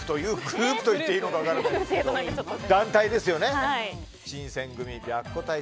グループと言っていいのか分からないですが、団体ですね。